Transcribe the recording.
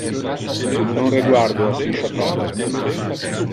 Non reguardo assi choccate.